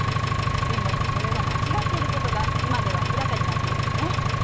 でもそれは間違っていることが今では明らかになっているわね。